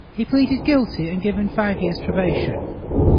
He pleaded guilty and given five years probation.